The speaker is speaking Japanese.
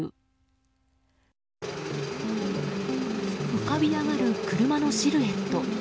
浮かび上がる車のシルエット。